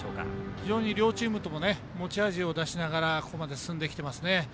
非常に両チームとも持ち味を出しながらここまで進んできてますね。